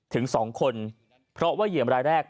ถึง๒คนเพราะว่าเหยียมรายแรก